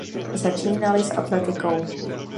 Začínaly s atletikou.